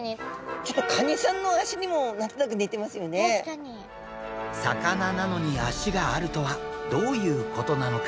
ちょっと魚なのに足があるとはどういうことなのか？